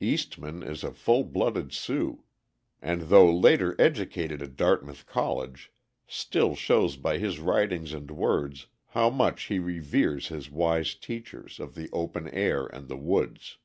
Eastman is a full blooded Sioux, and though later educated at Dartmouth College, still shows by his writings and words how much he reveres his wise teachers of the open air and the woods.